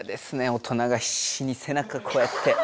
大人がひっしに背中こうやって。